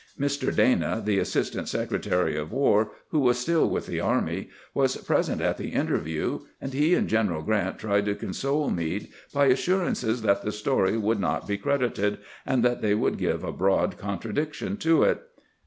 Mr. Dana, the Assistant Secretary of "War, who was stUl with the army, was present at the interview, and he and General Grant tried to console Meade by assurances that the story would not be cred ited, and that they would give a broad contradiction to it.